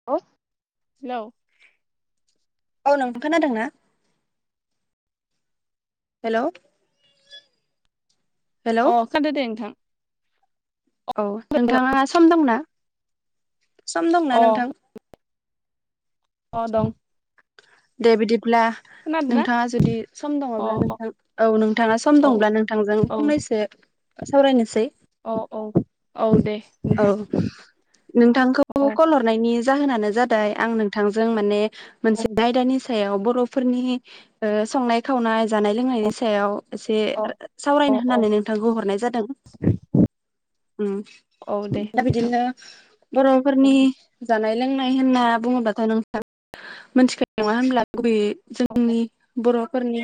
[inaudible] Hello औ नोंथां खोनादों ना? हेलौ हेलौ अ खादो दे नोंथां। औ नोंथाङा सम दंना सम दं अ ना नोंथां? अ दं दे बिदिब्ला खोनादों ना नोंथाङा जुदि सम अ दङब्ला नोंथां? औ नोंथाङा सम अ औ दंब्ला नोंथांजों औ फंनैसो सावरायनोसै। औ औ औ दे। औ नोंथां नोंथांखौ कल हर जानानो जादों आ नोंथां म मोन आय [unintelligible] बर'फोरनि ओ संनाय खावनाय जानाय लोंनायनि सायाव एसे औ औ सावरायनो औ होननानै नोंथांखौ हरनाय जादों। [unintelligible] उम औ दे दा नोंथां बिदिनो बर'फोरनि जानाय लोंनाय होनना बुङोब्लाथाय नोंथा मोनथिखायो नङा होनब्ला गुबैयै जोंनि बर'फोरनि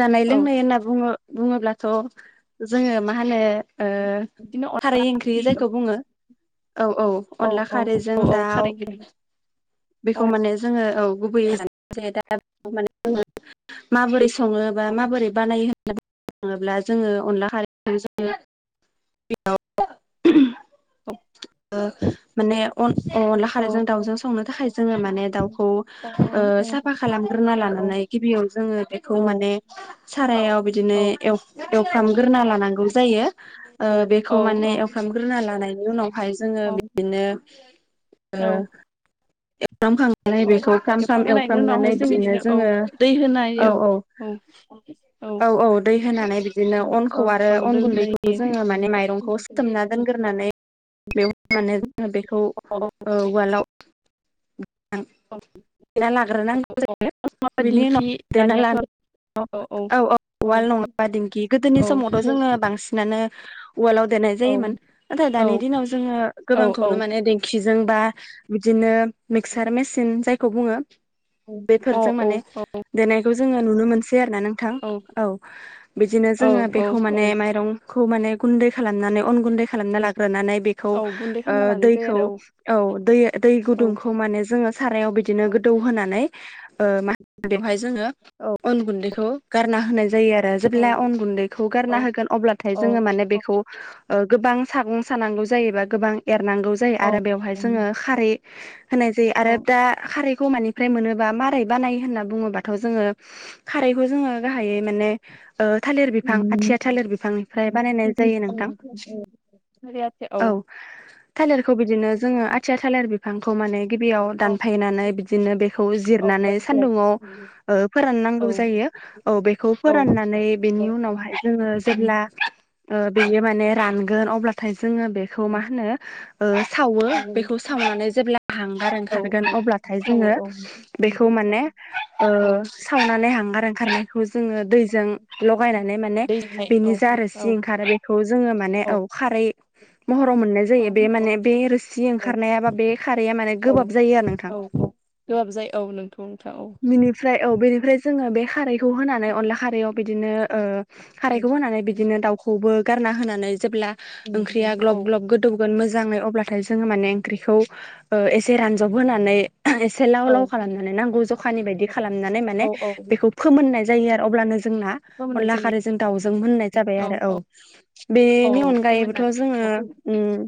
जानाय औ लोंनाय होनना बुङो बुङोब्लाथ' जोङो मा होनो ओ बिदिनो खारै ओंख्रि जायखौ बुङो औ औ अनला औ खारैजों औ खारै दाउ ओंख्रि औ बेखौ माने जोङो औ गुबैयै [unintelligible] जायो दा बे माने जोङो माबोरै सङो बा माबोरै बानायो [unintelligible] थाङोब्ला जोङो अनला खारै [unintelligible] [unintelligible] औ माने अ-अनला औ खारैजों औ दाउजों संनो औ थाखाय जोङो माने दाउखौ औ ओ [unintelligible] औ साफा खालामग्रोना लानानै गिबियाव जोङो बेखौ माने औ सारायाव बिदिनो ए एवफ्रामग्रोना लानांगौ जायो ओ बेखौ औ माने एवफ्रामग्रोना लानायनि उनाव फ्राय जोङो औ बिदिनो ओ औ एवफ्राम औ नैबेखौ फ्राम फ्राम एवफ्राम होनायनि उनावहाय एवफ्रामनानै जों बिदिनो औ जोङो दै होनाय औ औ औ औ दै होनानै बिदिनो औ अनखौ आरो औ अन दै होनाय गुन्दैखौ जायो। जोङो माने माइरंखौ सुथोमना दोनगोन होनानै बे होनानै जोङो बेखौ औ उवालाव [unintelligible] औ लाग्रो नांगौ जायो। माबा दिंख दानियाथ' आरो औ औ उवाल नङाबा दिंखि औ गोदोनि समावथ' जोङो बांसिन नानो उवालाव देनाय औ जायोमोन नाथाय औ दानि दिनाव जोङो अ औ औ गोबांखौनो माने [unintelligible] खिजों बा बिदिनो मिक्सार मेसिन जायखौ बुङो। औ बेफोरजों माने देनायखौ जोङो नुनो मोनसै आरो ना नोंथां औ। बिदिनो जोङो औ बेखौ माने माइरं खौ माने गुन्दै खालामनानै अन गुन्दै खालामना लाग्रोनानै बे खौ औ गुन्दै ओ खालामना लानाय जायो दैखौ औ दैया आरो खौ माने जोङो सारायाव औ बिदिनो गोदौ होनानै ओ मा बेवहाय जोङो औ अन गुन्दैखौ गारना होनाय जायो आरो। औ जेब्ला अन गुन्दैखौ औ गारना होगोन अब्लाथाय औ जोङो माने औ बेखौ ओ गोबां सागं सानांगौ जायो बा गोबां एरनांगौ जायो औ आरो बेवहाय जोङो खारै होनाय जायो आरो दा खारैखौ मानिफ्राय मोनो बा मारै बानायो होनना बुङोबाथ' जोङो खारैखौ जोङो गाहायै माने ओ थालिर बिफां आथिया थालिर बिफांनिफ्राय बानायनाय जायो नोंथां औ। थालिरखौ बिदिनो जोङो आथिया थालेर बि फांखौ माने गिबियाव औ दानफायनानै औ बिदिनो बेखौ औ जिरनानै सान्दुङाव जासिगोन। ओ औ फोराननांगौ जायो औ बेखौ औ फोराननानै बेनि उनावहाय जोङो जेब्ला ओ बेयो माने रानगोन अब्लाथाय जोङो बेखौ मा होनो ओ सावो खौ सावनानै जेब्ला हांगार औ ओंखारगोन औ अब्लाथाय सावो जोङो औ बेखौ माने ओ औ सावनानै हांगार ओंखारनायखौ जोङो दैजों लगायनानै माने दैखाय औ बेनि जा आरो औ जि ओंखारो बेखौ जोङो माने औ खारै महराव मोननाय औ जायो बे माने बे रोस जि औ ओंखारनाया बा बे खारैया माने औ गोबाब जायो आरो नोंथां। औ गोबाब जायो औ नोंथ' नोंथां औ बिनिफ्राय औ बेनिफ्राय जोङो बे खारै खौ होनानै अनला खारैयाव बिदिनो ओ खारैखौ होनानै बिदिनो दाउखौबो गारना होनानै जेब्ला ओंख्रिया औ ग्लब ग्लब गो दौगोन मोजाङै अब्लाथाय जोङो माने ओंख्रिखौ ओ एसे रानज्रब होनानै एसे लाव औ लाव खालामनानै नांगौ जखानि बायदि खालामनानै माने औ औ बेखौ फोमोननाय जायो आरो अब्लानो जोंना फोमोननाय अनला जायो खारैजों दाउजों मोननाय जाबाय आरो औ। औ बेनि अनगायैबोथ' फोमोननानै जोङो औ उम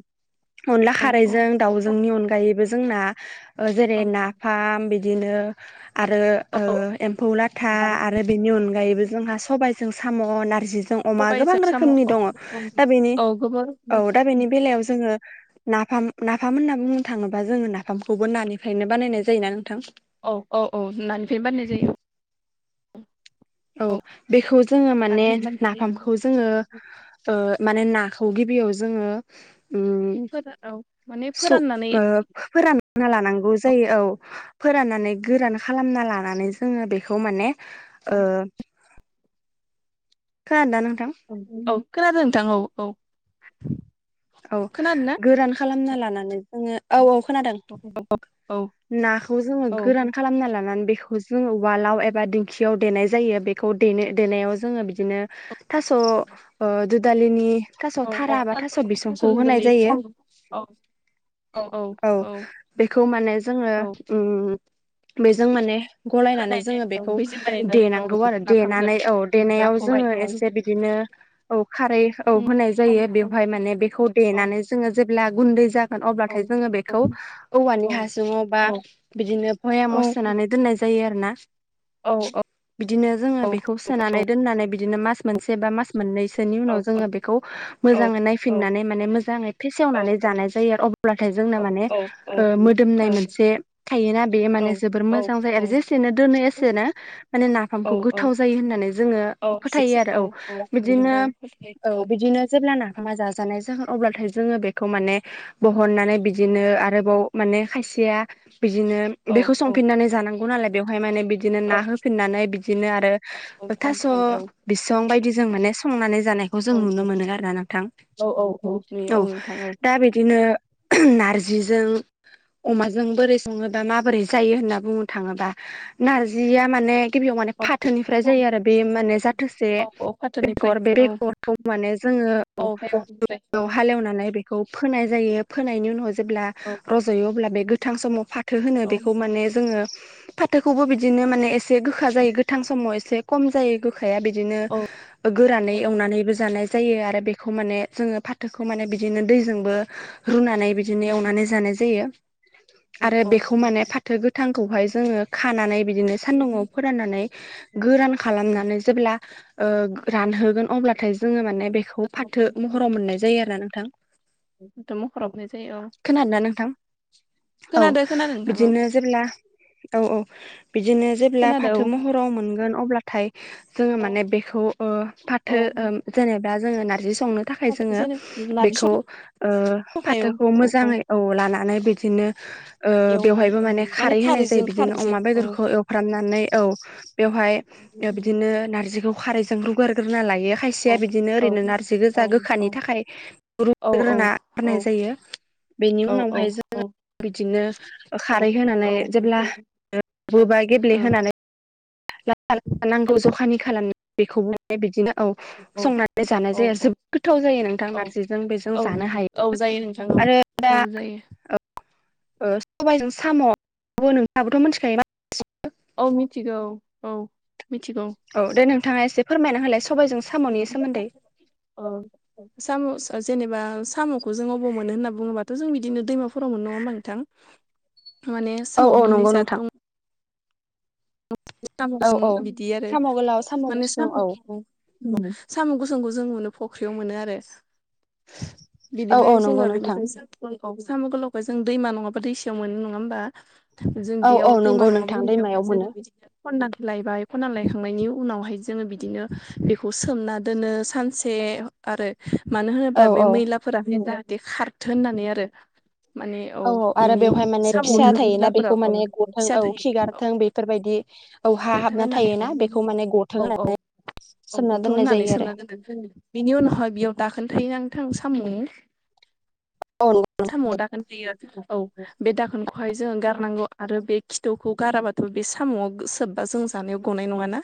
अनला औ खारैजों दाउजोंनि अनगायैबो जोंना ओ जेरै नाफाम बि दिनो आरो ओ औ एम्फौ लाथा औ आरो बेनि अनगायैबो जोंहा सबाइजों साम' नारजिजों अमा गोबां सबायजों साम' औ रोखोमनि दङ' दा बेनि औ गोबां औ दा बेनि बेलायाव जोङो नाफाम नाफाम होनना बुंनो थाङोबा जोङो नाफामखौबो नानिफ्रायनो बानायनाय जायोना नोंथां? औ औ औ नानिफ्रायनो बानायनाय जायो। औ बेखौ जोङो माने बानायनाय जायो नाफामखौ जोङो ओ माने नाखौ गिबियाव जोङो उम ओ औ माने सु फोराननानै ओ फोरान ना लानांगौ जायो औ फोराननानै गोरान खालामना लानानै जोङो बेखौ माने ओ खोनादों ना नोंथां? औ औ खोनादों नोंथां औ औ। औ खोनादों ना गोरान खालामना लानानै जोङो औ औ खोनादों। औ नाखौ जोङो औ गोरान खालामना लानानै बेखौ खौ जोङो उवालाव एबा दिंखियाव देनाय जायो बेखौ देनो देनायाव जोङो बिदिनो थास' ओ दुदालिनि थास' औ औ थारा बा थास' बिसंखौ होनाय गोरलै औ जायो। औ। औ बेखौ माने जोङो औ उम बेजों माने गलायनानै होनाय जोङो जायो बेखौ बैजों बानायनानै औ देनांगौ आरो नाफामजों देनानै औ देनायाव नाखौहाय जोङो औ एसे बिदिनो औ खारै औ होनाय जायो बेवहाय माने बेखौ औ देनानै जोङो जेब्ला गुन्दै जागोन औ अब्लाथाय जोङो बेखौ औ औवानि हासुंङाव बा बिदिनो औ भयाम' सोनानै दोननाय जायो आरो ना। औ बिदिनो जोङो बेखौ सोनानै दोननानै बिदिनो मास मोनसे बा मास मोननसोनि उनाव जोङो बेखौ मोजाङै औ नायफिननानै माने मोजाङै औ फेसेवनानै औ जानाय जायो आरो अब्लाथाय जोंना माने ओ मोदोमनाय मोनसे थायोना बेयो माने जोबोर मोजां जायो आरो जे एसेनो दोनो एसेनो माने नाफामखौ गोथाव जायो होननानै जोङो फोथायो आरो औ बिदिनो औ बिदिनो जेब्ला नाफामा जाजानाय जा अब्लाथाय जोङो बेखौ माने बहननानै बिदिनो आरोबाव माने खायसेया बिदिनो बेखौ संफिननानै जानांगौ नालाय बेवहाय माने बि बिदिनो ना होफिननानै बिदिनो आरो थास' औ बिसिबां बायदि जों माने संनानै जानाय खौ जों औ नुनो औ मोनो आरोना नोंथां औ औ औ नै औ नोंथां दा बिदिनो नारजिजों अमाजों बोरै संङो माबोरै जायो होनना बुंनो थाङोब्ला नारजिया माने गिबियाव माने फाथोनिफ्राय औ जायो आरो बे माने जाथोसे औ औ फाथोनिफ्राय बेगर बे औ बेगरखौ माने जोङो औ बेगरनिफ्राय औ हालेवना नाय बे खौ फोनाय जायो फोनायनि उनाव जेब्ला औ रज'यो अब्ला बे गोथां समाव फा फाथो होनो औ बेखौ माने जोङो फाथोखौबो बिदिनो माने एसे गोखा जायो गोथां समाव एसे खम जायो गोखाया बिदिनो औ गोरानै औ एवनानैबो जानाय जायो आरो बेखौ माने जोङो फाथोखौ माने बिदिनो दैजोंबो रुनानै बिदिनो एवनानै जानाय जायो। आरो बेखौ माने फाथो गोथांखौहाय जोङो खानानै बिदिनो सान्दुंङाव फोराननानै गोरान खालामनानै जेब्ला रानहोगोन अब्लाथाय जोङो माने बेखौ फाथो महराव मोननाय जायो आरो ना नोंथां थ' मखराबनाय जायो खोनादोंना नोंथां? औ खोनादो खोनादों नोंथां औ बिदिनो जेब्ला औ औ। बिदिनो जेब्ला खोनादों फाथो महराव मोनगोन अब्लाथाय जोङो औ माने बेखौ औ फाथो जेनेबा जोङो नारजि संनो थाखाय औ जोङो जेनेबा नारजि बेखौ संनो थाखाय औ फाथोखौ मोजाङै औ लानानै बिदिनो एवनानै बेवहायबो औ माने खारै होनाय जायो खारैजों बिदिनो खारैजों अमा औ बेदरखौ एवफ्रामनानै औ बेवहाय बिदिनो नारजखौ खारुोन लायो खारसिया औ बिदिनो औ ओरैनो नारजि औ गोजा औ गोखानि थाखाय औ रुग्रोना गारनाय औ जायो। बेनि औ उनावहाय जोङो बिदिनो औ खारै होनानै औ ओं औ जेब्ला बबा गेब्लेहोनानै नांगौ जखानि खालामांगौ बेखौ बिदिनो औ संनानै जानाय जायो जोबोद गोथाव जायो नोंथां औ नारजिजों बेजों औ जानो हायो। औ जायो नोंथां आरो दा औ औ जायो सबबायजों साम' आ नोंथाङाबोथ' मिथिखायोमा औ मिथिगौ औ मिथिगौ औ दे नोंथाङा एसे फोरमायना होलाय सबायजों स [unintelligible] अ साम' जेनेबा साम'खौ जों अबाव मोनो होनना बुङोबाथ' जों बिदिनो दैमाफोराव मोन नङा होनोमा नोंथां। माने औ साव औ मोननै नंगौ जा नोंथां दं। साम' औ स औ बिदि आरो साम' गोलाव माने गुसुं साम' औ साम' गुसुंखौ जों मोनो फख्रियाव मोनो आरो बिदि औ औ बायसे नंगौ नोंथां बिदिबाय स गोलाव साम' गोलावखौ जों दैमा नङाबा दैसायाव मोनो नङा होमबा? जों औ औ बेयाव नंगौ दैमा नोंथां नङाबो जोंनि दैमायाव जावनाय मोनो बिदनो खना लायबाय खना लायखांनायनि उनावहाय जोङो बिदिनो बेखौ सोमना दोनो सानसे से आरो मानो होनोब्ला औ बे औ मैलाफोरा जाहाथे खारथो होननानै आरो। माने औ आरो बिनि बेवहाय माने सामनि [inaudible] फिसा थायोना धोरोमिलाफोरा बेखौ औ माने गथों फिसा औ थायो औ खिगारथों बेफोरबायदि औ हा देरथों हाबना होननानै थायोना बेखौ माने गथों औ औ होननानै औ सोमना गथ' दोननाय होननानै जायो आरो सोंना दोनदों जोङो बिनि उनावहाय बेयाव दाखोन्थायायो थां सामुं औ [inaudible] साम'आव दाखोन थायो आरो औ बे दाखोनखौहाय जोङ गारनांगौ आरो बे खिथौखौ गाराबा थह बे साम'आव सोबबा जों जानायाव गनाय नङाना।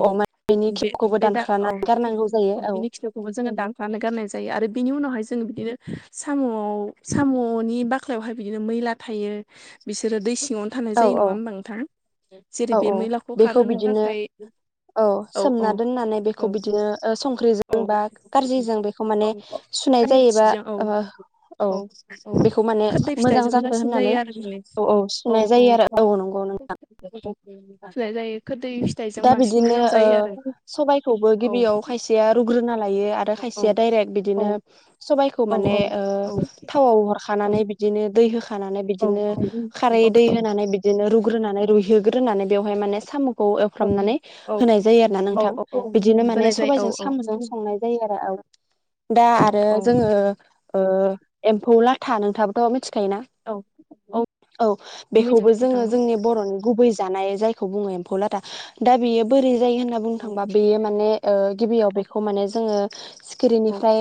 औ माने बेनि बे खिबुखौबो बे दा औ दानख्लानानै गारनांगौ जायो औ बेनि खिथ जो दानफनानै गनाय जायो आरो बिनि उनावहाय जो बिदिनो साम सामनि बागख्ला आवहाय बिदिनो मैला थायो। बिसोरो दै सिङावनो थानाय औ जायो औ नङा होमबा? नोंथां' जेरै औ बे औ मैलाखौ बेखौ खारहोनो बिदिनो थाखाय औ सोमना दोननानै औ बेखौ बिदिनो संख्रिजों औ बा गारजिजों बेखौ माने औ सुनाय जायोबा रोसिजों औ औ औ बेखौ माने खोरदै मोजां फिथाइजों जाथों मोजांसिन होननानै जायो आरो माने औ औ सुनाय जायो आरो औ नंगौ नों [inaudible] फिनाय जायो खोरदै फिथाइजों बांसिन मोजां जायो आरो। सबाइखौबो औ गिबियाव खायसेया रुग्रोना लायो आरो औ खायसेया दडायरेक्ट औ बिदिनो सबाइखौ माने औ औ थावाव हरखानानै बि बिदिनो दै होखानानै बिदिनो खारै दै होनानै बिदिनो रुग्रोनानै रुइहोग्रोनानै बेवहाय माने साम'खौ औ एवफ्रामनानै होनाय जायो आरोना औ नोंथां। औ बिदिनो माने होनाय जायो सबाइजों औ साम'जों संनाय जायो आरो। दा औ आरो औ जोङो एम्फौ लाथा नोंथाङाबोथ' मिथिखायोना। औ औ मिथिगौ बेखौबो नोंथां जोङो जोंनि बर'नि गुबै जानाय जायखौ बुङो एम्फौ लाथा दा बेयो बोरै जायो होनना बुंनो औ थांबा बेयो माने गिबियाव औ बेखौ माने जोङो औ सिखिरिनिफ्राय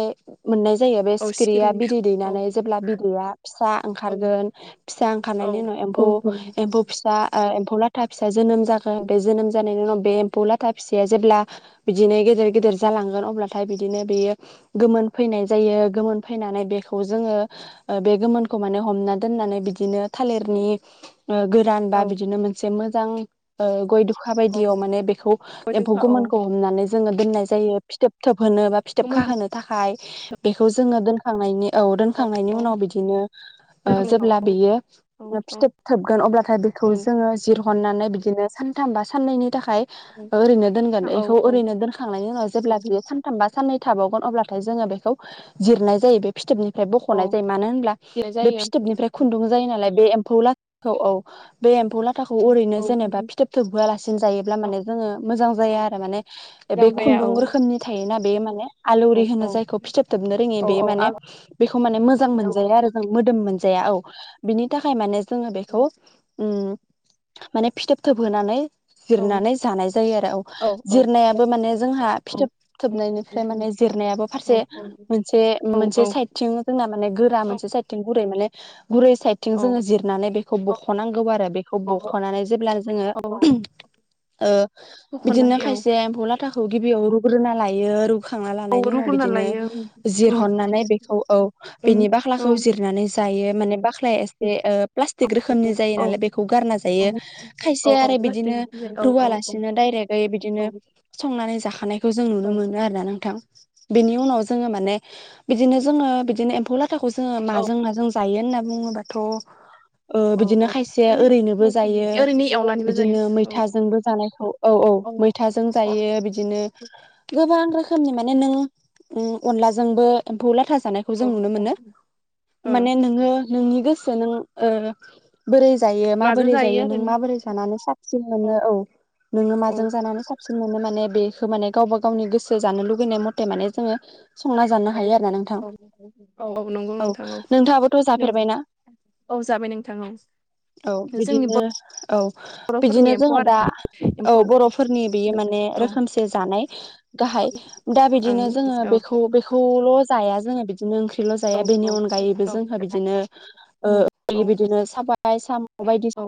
मोननाय जायो। बे औ सिखिरिया सिखिरिनि बिदै औ दैनानै जेब्ला बिदैया फिसा औ ओंखारगोन फिसा औ ओंखारनायनि उनाव गोमोन एम्फौ-एमफौ फिसा एम्फौ लाथा फिसा जोनोम जागोन बे जोनोम जानायनि उनाव बे एम्फौ लाथा फिसाया जेब्ला बिदिनो गेदेर गेदेर जालांगोन अब्लाथाय बिदिनो बेयो गोमोन फैनाय जायो। गोमोन फैनानै बेखौ जोङो बे गोमोनखौ माने हमना दोननानै बिदिनो थालिरनि गोरान बा अ बिदिनो मोनसे मोजां गय खा अ बायदियाव माने बेखौ एम्फौ गोमोनखौ हमनानै जोङो दोननाय जायो। फिथोब थोबहोनो बा फिथोब खाहोनो थाखाय। बेखौ जोङो दोनखांनायनि औ दोनखांनायनि उनाव बिदिनो दोनखांनायनि जेब्ला उनाव बेयो औ औ फिथोब थोबगोन अब्लाथाय बेखौ औ जोङो जिरहननानै बिदिनो सानथाम बा साननैनि थाखाय ओरैनो औ दोनगोन बेखौ औ ओरैनो दोनखांनायनि उनाव जेब्ला बियो सानथाम बा साननै थाबावगोन अब्लाथाय जोङो बेखौ जिरनाय जायो बे फिथोबनिफ्राय बख'नाय औ जायो। मानो होनब्ला बिनो बे जायो औ फिथोबनिफ्राय खुन्दुं जायो नालाय बे एम्फौ लाथाखौ औ-औ बे एम्फौ लाथाखौ औ ओरैनो जेनेबा फिथोब थोबबोआलासिनो जायोब्ला माने जोङो मोजां औ जायो आरो माने बे मोजां जाया खुन्दुं औ रोखोमनि थायोना बे माने औ आलौरि होनो औ जायखौ फिथोबथोबनो रोङि औ बे माने आं बेखौ माने मोजां औ मोनजाया आरो। मोदोम मोनजाया औ बिनि थाखाय माने जोङो बेखौ माने फिथोब थोबहोनानै जिरनानै जानाय जायो आरो। औ जिरनायाबो माने जोंहा फिथोब थोबनाय ओमफ्राय माने जिरनायाबो फारसे मोनसे-मोनसे साइद जोंना माने गोरा मोनसे साइथथिं गुरै माने गुरै साइथथिं औ जोङो जिरनानै बे बेखौ बख'नांगौ आरो बेखौ बख'नानै जेब्ला जोङो औ बिदिनो होख'नानै औ खायसे एम्फौ लाथाखौ गिबियाव रुग्रोना लायो रु खांना औ लानायनि उनाव रुग्रोना बिदिनो लायो औ जिरहरनानै बेखौ औ बिनि औ बाख्लाखौ जिरनानै जायो माने बाख्लाया एसे प्लास्टिक रोखोमनि जायो औ नालाय बेखौ गारना जायो खायसे औ औ आरो प्लास्टिक बिदिनो औ औ औ रुवालासिनो डायरेक्टयै औ बिदिनो संनानै जाखानायखौ जों औ नुनो मोनो आरो ना नोंथां बिनि उनाव जोङो माने बिदिनो जोङो बिदिनो एम्फौ लाथा खौ जोङो औ माजों माजों जायो होनना बुङोबाथ' औ बिदिनो औ खायसे माने ओरैनोबो जायो ओरैनो एवनानैबो जायो बिदिनो औ मैथाजोंबो जानायखौ औ-औ औ मैथाजों जायो बिदिनो गोबां रोखोमनि माने नों अनलाजोंबो एम्फौ लाथा जानाय खौ औ जों ओं नुनो मोनो माने नोङो नोंनि गोसो नों बोरै जायो माजों माबोरै जायो नों ओरैनो माबोरै जानानै साबसिन मोनो औ नोङो औ माजों जा जानानै साबसिन मोनो माने बेखौ माने गावबा गावनि गोसो जानो लुुबैनाय मथे माने जोङो संना जानो औ हायो आरोना नोंथां औ औ नंगौ औ नोंथां नोंथाङाबोथ' औ जाफेरबायना औ जाबाय नोंथां औ औ जोंनि बिदिनो औ बर'फोरनि बिदिनो एम्फौ जोङो आरो दा औ बर'फोरनि बियो माने ओं रोखोमसे जानाय औ गाहाय दा औ बिदिनो जोङो बेखौ बेखौल' जाया जोङो बि बिदिनो ओंख्रिल' जाया बेनि अनगायैबो जोंहा बिदिनो। ओ औ औ बे बिदिनो साबाय साम' बायदिसिना। औ